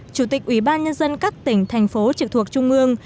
chủ tịch ủy ban nhân dân các tỉnh thành phố trực thuộc trung ương